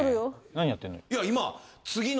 何やってんの？